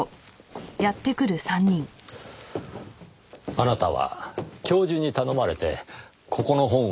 あなたは教授に頼まれてここの本を借りていましたねぇ。